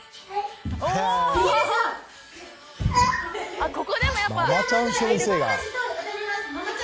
あここでもやっぱ。